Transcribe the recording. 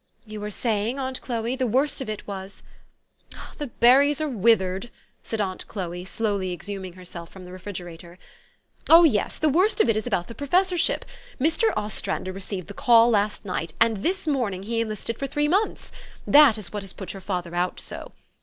"You were saying, aunt Chloe, the worst of it was "" The berries are withered," said aunt Chloe, slowly exhuming herself from the refrigerator. " Oh, yes ! the worst of it is about the professorship. Mr. Ostrander received the call last night, and this morning he enlisted for three months. That is what has put your father out so.